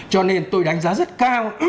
cho nên tôi đánh giá rất cao